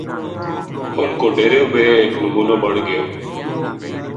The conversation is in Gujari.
اُنھ کو ڈیرو بے ایک نمونو بن گیو